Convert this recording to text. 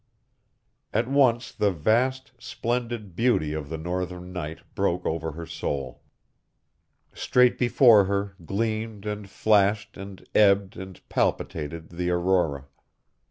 At once the vast, splendid beauty of the Northern night broke over her soul. Straight before her gleamed and flashed and ebbed and palpitated the aurora.